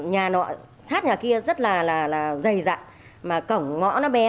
nhà nọ sát nhà kia rất là dày dặn mà cổng ngõ nó bé